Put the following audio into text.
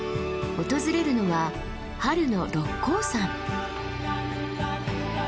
訪れるのは春の六甲山。